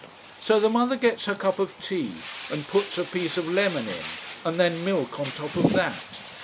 So the mother gets her cup of tea and puts a piece of lemon in and then milk on top of that.